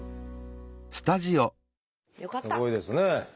すごいですね！